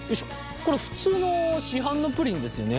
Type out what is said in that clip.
これ普通の市販のプリンですよね普通にね。